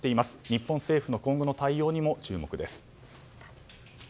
日本政府の今後の対応にも注目です。